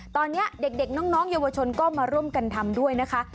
ตอนนี้เด็กน้องเยาวชนก็มาร่วมกันทำด้วยนะคะ